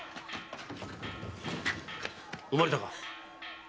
産まれたか？